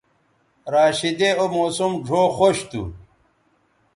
راشدے او موسم ڙھؤ خوش تھو